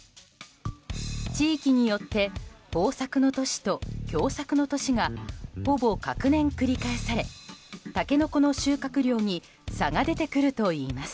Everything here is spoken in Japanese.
地域によって豊作の年と凶作の年がほぼ隔年繰り返されタケノコの収穫量に差が出てくるといいます。